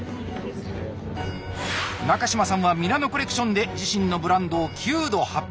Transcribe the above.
中島さんはミラノ・コレクションで自身のブランドを９度発表！